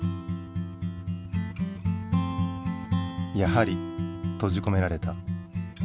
やはりとじこめられた。